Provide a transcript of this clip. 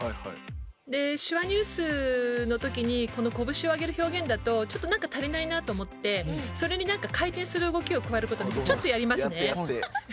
『手話ニュース』の時にこの拳を上げる表現だとちょっと何か足りないなと思ってそれに回転する動きをちょっとやりますね。